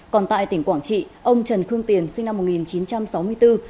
còn tại tỉnh quảng trị ông trần khương tiền sinh năm một nghìn chín trăm sáu mươi bốn